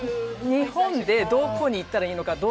日本ってどこに行ったらいいのか？